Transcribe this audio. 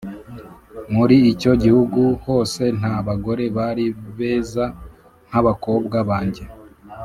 muri icyo gihugu hose nta bagore bari beza nk abakobwa ba njye